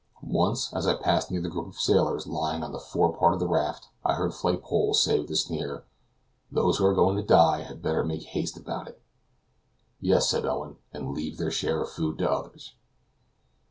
Once, as I passed near the group of sailors lying on the fore part of the raft, I heard Flaypole say with a sneer: "Those who are going to die had better make haste about it." "Yes," said Owen, "and leave their share of food to others."